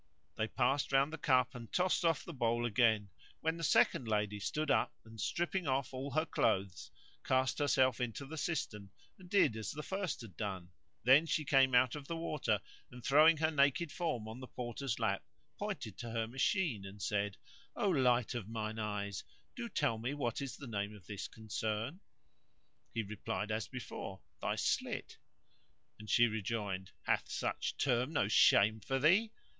They passed round the cup and tossed off the bowl again, when the second lady stood up; and, stripping off all her clothes, cast herself into the cistern and did as the first had done; then she came out of the water and throwing her naked form on the Porter's lap pointed to her machine and said, "O light of mine eyes, do tell me what is the name of this concern?" He replied as before, "Thy slit;" and she rejoined, "Hath such term no shame for thee?"